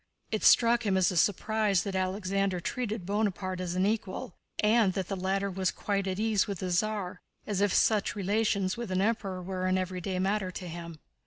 It struck him as a surprise that Alexander treated Bonaparte as an equal and that the latter was quite at ease with the Tsar, as if such relations with an Emperor were an everyday matter to him.